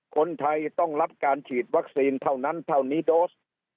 คนไทยต้องรับการฉีดวัคซีนเท่านั้นเท่านี้โดส